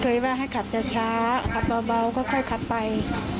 ว่าให้ขับช้าขับเบาค่อยขับไป